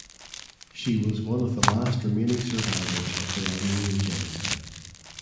She was one of the last remaining survivors of the Armenian genocide.